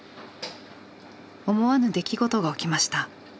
思わぬ出来事が起きました。